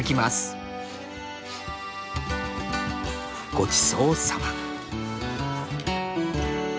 「ごちそうさま」。